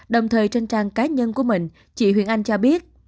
đồng thời trên trang cá nhân của mình chị huyền anh cho biết